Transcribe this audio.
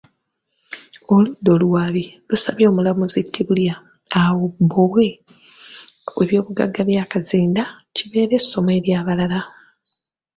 Oludda oluwaabi lusabye Omulamuzi Tibulya abowe eby'obugagga bya Kazinda, kibeere essomo eri abalala